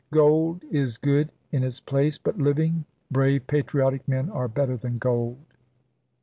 Gold is good in its place ; but living, brave, patriotic men are better than gold.